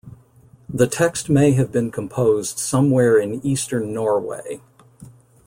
The text may have been composed somewhere in eastern Norway.